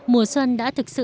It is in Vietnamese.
mùa xuân đã thực hiện